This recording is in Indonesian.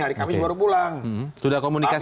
hari kamis baru pulang sudah komunikasi